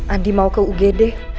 andi mau ke ugd